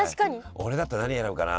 俺だったら何選ぶかな。